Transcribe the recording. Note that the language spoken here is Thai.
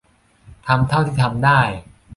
ทำเท่าที่ทำได้